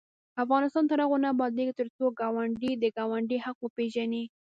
افغانستان تر هغو نه ابادیږي، ترڅو ګاونډي د ګاونډي حق وپيژني.